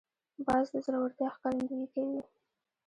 باز د زړورتیا ښکارندویي کوي